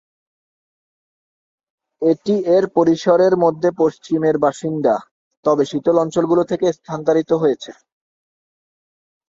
এটি এর পরিসরের মধ্য পশ্চিমের বাসিন্দা, তবে শীতল অঞ্চলগুলো থেকে স্থানান্তরিত হয়েছে।